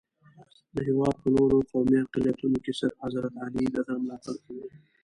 د هېواد په نورو قومي اقلیتونو کې صرف حضرت علي دده ملاتړ کوي.